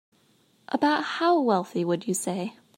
About how wealthy would you say?